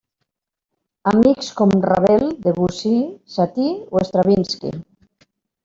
Amics com Ravel, Debussy, Satie o Stravinski.